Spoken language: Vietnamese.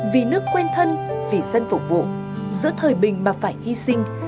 vì nước quên thân vì dân phục vụ giữa thời bình mà phải hy sinh